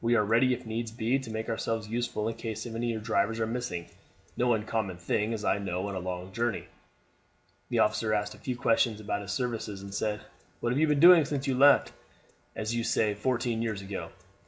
We are ready, if needs be, to make ourselves useful in case any of your drivers are missing, no uncommon thing, as I know, on a long journey." The officer asked a few questions about his services, and said: "What have you been doing since you left, as you say, fourteen years ago?"